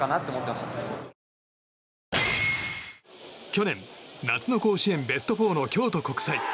去年、夏の甲子園ベスト４の京都国際。